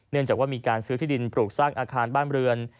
เนื่องจากว่ามีการซื้อที่ดินปลูกสร้างอาคารบ้านเรือน